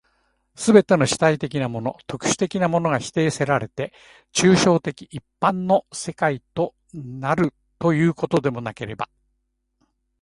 すべての主体的なもの、特殊的なものが否定せられて、抽象的一般の世界となるということでもなければ、